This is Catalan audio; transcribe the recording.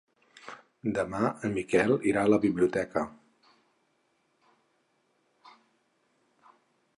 Demà en Miquel irà a la biblioteca.